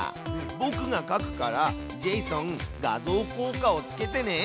ぼくがかくからジェイソン画像効果をつけてね！